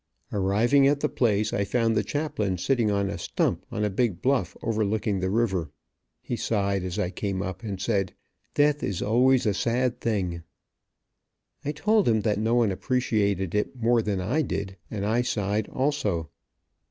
Arriving at the placed I found the chaplain sitting on a stump, on a big bluff overlooking the river. He sighed as I came up and said: "Death is always a sad thing." I told him that no one appreciated it more than I did, and I sighed also.